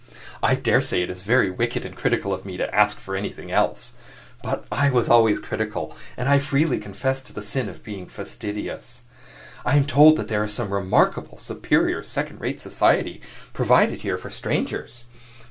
I daresay it is very wicked and critical of me to ask for anything else. But I was always critical, and I freely confess to the sin of being fastidious. I am told there is some remarkably superior second rate society provided here for strangers.